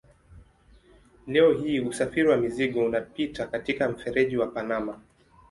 Leo hii usafiri wa mizigo unapita katika mfereji wa Panama.